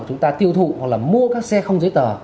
chúng ta tiêu thụ hoặc là mua các xe không giấy tờ